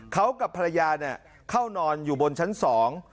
เขากับภรรยาเนี่ยเข้านอนอยู่บนชั้นสอง